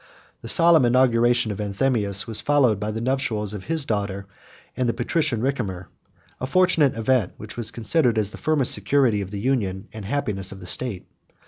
73 The solemn inauguration of Anthemius was followed by the nuptials of his daughter and the patrician Ricimer; a fortunate event, which was considered as the firmest security of the union and happiness of the state.